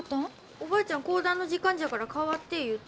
おばあちゃん講談の時間じゃから代わって言うて。